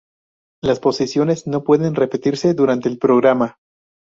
Las posiciones no pueden repetirse durante el programa.